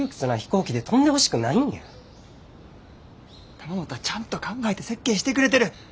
玉本はちゃんと考えて設計してくれてる。